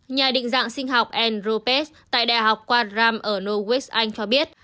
nhà định dạng sinh học andrew pesce tại đại học quadram ở norwich anh cho biết